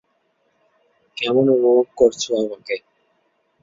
কেমন অনুভব করছ আমাকে?